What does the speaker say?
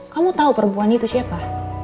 kamu tahu perempuan itu siapa